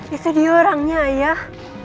itu dia orangnya ayah